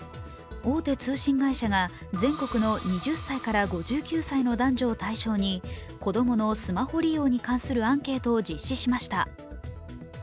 大手通信会社が全国の２０歳から５９歳の男女を対象に子供のスマホ利用に関するアンケートを実施しました。